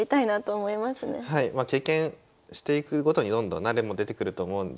まあ経験していくごとにどんどん慣れも出てくると思うので。